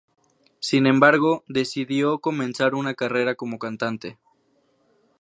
Sin embargo, decidió comenzar una carrera como cantante.